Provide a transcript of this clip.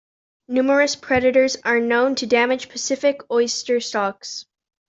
Numerous predators are known to damage Pacific oyster stocks.